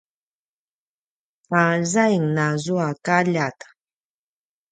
a zaing nazua kaljat